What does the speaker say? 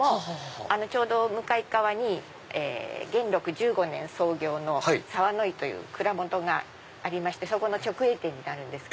ちょうど向かい側に元禄１５年創業の澤乃井という蔵元がありましてそこの直営店になるんです。